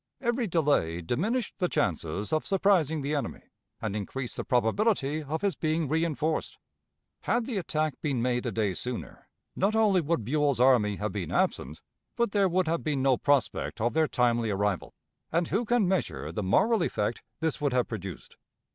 Every delay diminished the chances of surprising the enemy, and increased the probability of his being reënforced. Had the attack been made a day sooner, not only would Buell's army have been absent, but there would have been no prospect of their timely arrival; and who can measure the moral effect this would have produced?